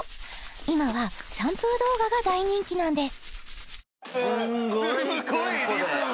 今はシャンプー動画が大人気なんです